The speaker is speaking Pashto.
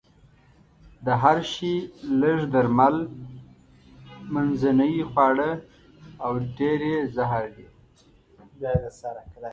د هر شي لږ درمل، منځنۍ خواړه او ډېر يې زهر دي.